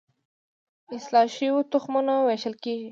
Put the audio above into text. د اصلاح شویو تخمونو ویشل کیږي